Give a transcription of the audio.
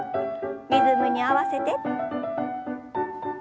リズムに合わせて。